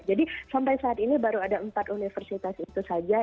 sampai saat ini baru ada empat universitas itu saja